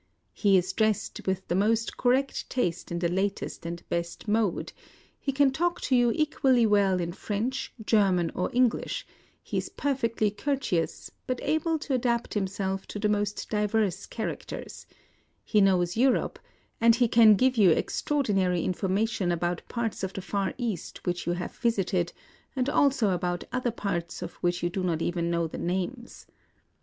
He is dressed with the most correct taste in the latest and best mode ; he can talk to you equally well in French, German, or English ; he is perfectly courteous, but able to adapt himself to the most diverse characters; he knows Europe; and he can give you extraordinary informa tion about parts of the Far East which you have visited, and also about other parts of which you do not even know the names.